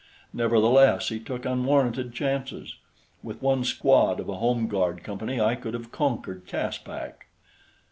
Nevertheless he took unwarranted chances. With one squad of a home guard company I could have conquered Caspak.